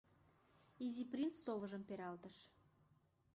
Изи принц совыжым пералтыш.